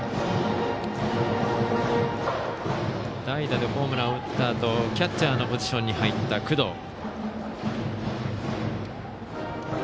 代打でホームランを打ったあとキャッチャーのポジションに入った工藤。